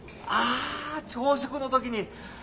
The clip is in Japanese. ああ朝食のときに。